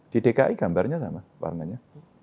di dki gambarnya lah mas warnanya